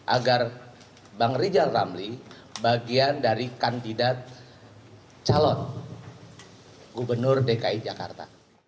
agar bang rizal ramli bagian dari kandidat calon gubernur dki jakarta